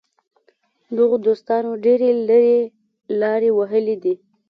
دغو دوستانو ډېرې لرې لارې وهلې دي.